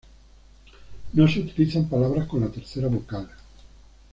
No se utilizan palabras con la tercera vocal.